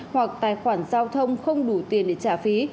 hoặc tài khoản giao thông không đủ tiền để trả phí